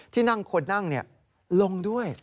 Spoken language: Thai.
ที่นั่งคนนั่งลงด้วย